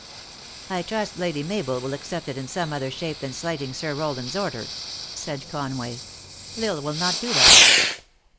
" I trust Lady Mabel will accept it in some other shape than slighting Sir Rowland s order," said Con way. " L Isle will not do that."